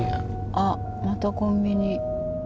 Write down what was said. あっまたコンビニ。